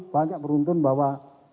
banyak beruntung bahwa